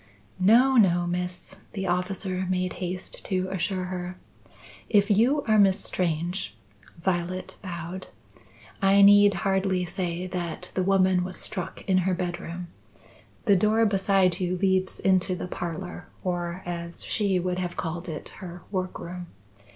"No, no, Miss," the officer made haste to assure her. "If you are Miss Strange" (Violet bowed), "I need hardly say that the woman was struck in her bedroom. The door beside you leads into the parlour, or as she would have called it, her work room.